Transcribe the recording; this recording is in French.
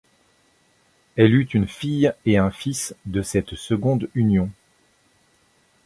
Elle eut une fille et un fils de cette seconde union.